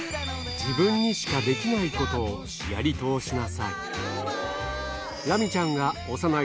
自分にしかできないことをやり通しなさい。